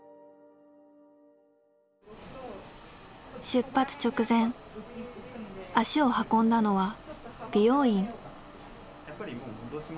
出発直前足を運んだのは美容院。